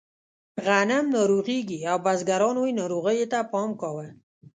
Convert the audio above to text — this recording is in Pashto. غنم ناروغېږي او بزګرانو یې ناروغیو ته پام کاوه.